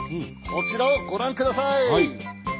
こちらをご覧ください。